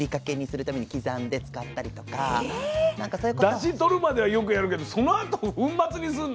⁉だし取るまではよくやるけどそのあと粉末にすんの？